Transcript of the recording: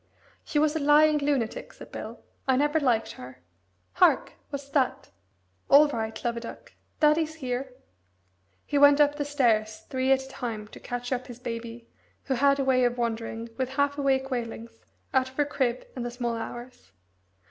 "She was a lying lunatic," said Bill. "I never liked her. Hark! what's that? All right, Love a duck daddy's here!" He went up the stairs three at a time to catch up his baby, who had a way of wandering, with half awake wailings, out of her crib in the small hours.